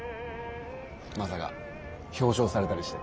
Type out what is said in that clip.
まさか表彰されたりして。